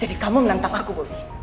jadi kamu menantang aku bobi